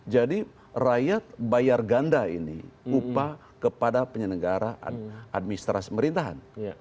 jadi rakyat bayar ganda ini upah kepada penyelenggaraan administrasi pemerintahan